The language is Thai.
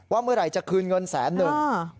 เมื่อไหร่จะคืนเงินแสนหนึ่ง